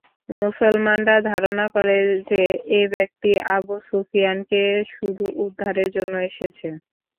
মুসলমানরা ধারণা করে যে, এ ব্যক্তি আবু সুফিয়ানকে শুধু উদ্ধারের জন্য এসেছে।